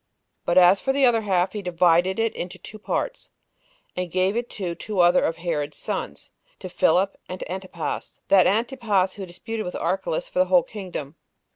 But as for the other half, he divided it into two parts, and gave it to two other of Herod's sons, to Philip and to Antipas, that Antipas who disputed with Archelaus for the whole kingdom.